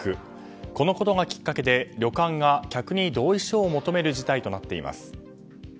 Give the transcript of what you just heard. このことがきっかけで旅館が客に同意書を求める事態になっています。